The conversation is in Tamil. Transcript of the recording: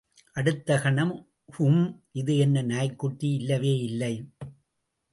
அடுத்த கணம், ஊஹூம், இது என் நாய்க்குட்டி இல்லவே இல்லை!